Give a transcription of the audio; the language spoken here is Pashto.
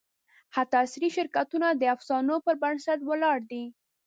حتی عصري شرکتونه د افسانو پر بنسټ ولاړ دي.